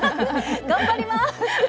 頑張ります！